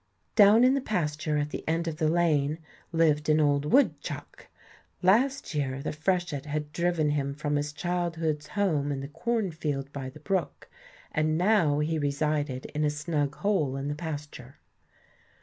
Down in the pasture at the end of the lane lived an old woodchuck. Last year the freshet had driven him from his childhood's home in the corn field by the brook, and now he resided in a snug hole in the pasture.